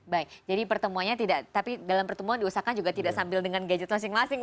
baik jadi pertemuannya tidak tapi dalam pertemuan diusahakan juga tidak sambil dengan gadget masing masing